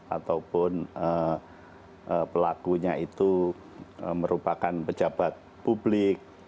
ataupun pelakunya itu merupakan pejabat publik